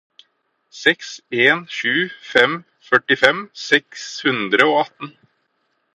seks en sju fem førtifem seks hundre og atten